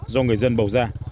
do người dân bầu ra